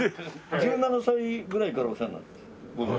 １７歳ぐらいからお世話になって僕が。